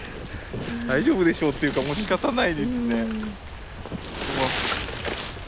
大丈夫でしょうっていうかもうしかたないですね。